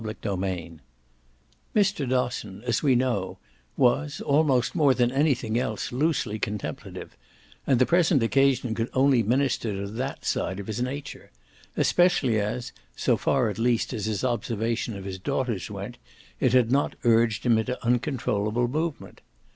XIII Mr. Dosson, as we know, was, almost more than anything else, loosely contemplative, and the present occasion could only minister to that side of his nature, especially as, so far at least as his observation of his daughters went, it had not urged him into uncontrollable movement.